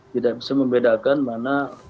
tidak bisa membedakan mana